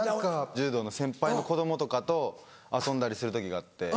柔道の先輩の子供とかと遊んだりする時があって。